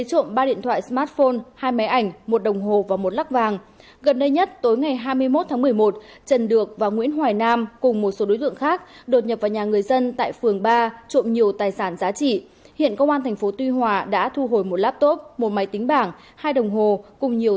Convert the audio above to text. các bạn hãy đăng ký kênh để ủng hộ kênh của chúng mình nhé